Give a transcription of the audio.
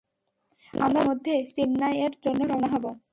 আমরা দুদিনের মধ্যে চেন্নাইয়ের জন্য রওনা হব।